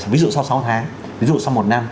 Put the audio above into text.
ví dụ sau sáu tháng ví dụ sau một năm